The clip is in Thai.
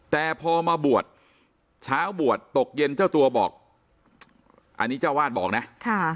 แต่พอมาบวชเช้าบวชตกเย็นเจ้าตัวบอกอันนี้เจ้าวาดบอกนะค่ะ